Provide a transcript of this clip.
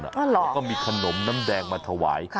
แล้วก็มีขนมน้ำแดงมาถวาย